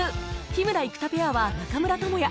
日村・生田ペアは中村倫也